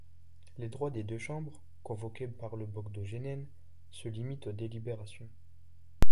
Les droits des deux chambres, convoquées par le Bogdo Gegen, se limitent aux délibérations.